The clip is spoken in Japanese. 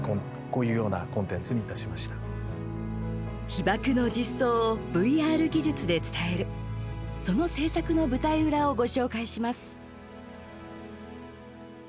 被爆の実相をＶＲ技術で伝えるその制作の舞台裏をご紹介します。